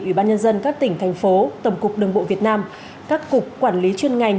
ubnd các tỉnh thành phố tầm cục đường bộ việt nam các cục quản lý chuyên ngành